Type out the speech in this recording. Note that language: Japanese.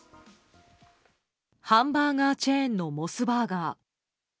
ハンバーガーチェーンのモスバーガー。